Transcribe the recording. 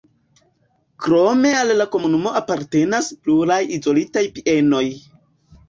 Krome al la komunumo apartenas pluraj izolitaj bienoj.